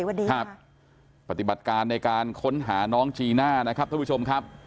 วันนี้ครับปฏิบัติการในการค้นหาน้องจีน่านะครับท่านผู้ชมครับ